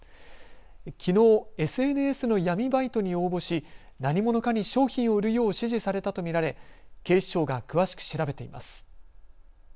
きのうＳＮＳの闇バイトに応募し何者かに商品を売るよう指示されたと見られ警視庁が詳しく調べています。